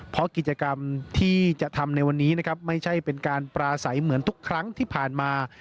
เพราะกิจกรรมที่จะทำในวันนี้นะครับไม่ใช่เป็นการปราศัยเหมือนทุกครั้งที่ผ่านมา